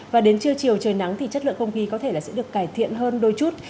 và đến trưa chiều trời nắng thì chất lượng không khí có thể sẽ được cải thiện hơn đôi chút